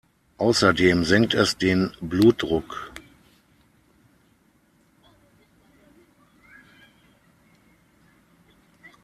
Außerdem senkt es den Blutdruck.